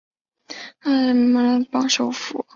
布巴内什瓦尔是印度奥里萨邦首府。